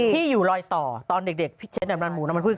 ที่อยู่ลอยต่อตอนเด็กพี่เจ๊ดำนานหมูน้ำมันพืช